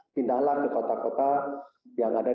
pindahlah ke kota kota yang ada